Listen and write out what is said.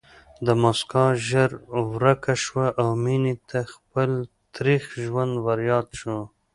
دا مسکا ژر ورکه شوه او مينې ته خپل تريخ ژوند ورياد شو